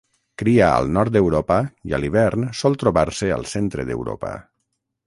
Cria al nord d'Europa i a l'hivern sol trobar-se al centre d'Europa.